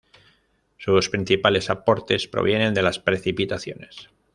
Sus principales aportes provienen de las precipitaciones.